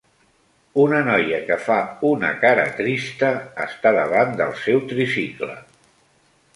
Una noia que fa una cara trista està davant del seu tricicle